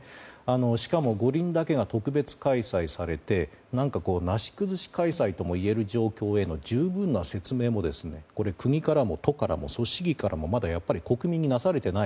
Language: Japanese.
しかも五輪だけが特別開催されて何か、なし崩し開催ともいえる状況への十分な説明も国からも都からも組織委からもまだ国民になされていない。